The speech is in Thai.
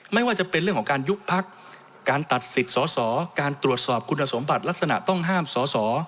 ไม่ว่าจะเป็นเรื่องของการยุบพักการตัดสิทธิ์สอสอการตรวจสอบคุณสมบัติลักษณะต้องห้ามสอสอ